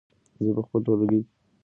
زه په خپل ټولګي کې لومړی نمره سوم.